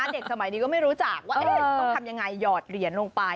เด็กสมัยนี้ก็ไม่รู้จักว่าต้องทำยังไงหยอดเหรียญลงไป